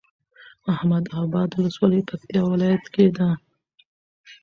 احمداباد ولسوالي پکتيا ولايت کي ده